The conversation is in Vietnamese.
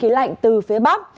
khí lạnh từ phía bắc